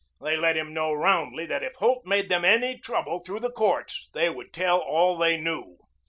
They let him know roundly that if Holt made them any trouble through the courts, they would tell all they knew.